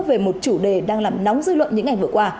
về một chủ đề đang làm nóng dư luận những ngày vừa qua